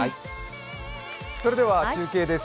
それでは、中継です。